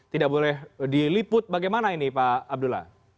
tidak boleh diliput bagaimana ini pak abdullah